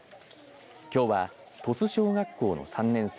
きょうは鳥栖小学校の３年生